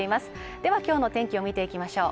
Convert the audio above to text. では今日の天気を見ていきましょう。